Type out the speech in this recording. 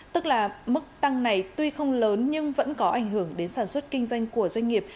tức là mức tăng này tuy không lớn nhưng vẫn có ảnh hưởng đến sản xuất kinh doanh của doanh nghiệp